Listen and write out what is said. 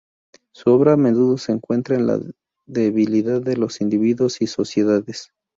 Su obra a menudo se centra en la debilidad de los individuos y sociedades.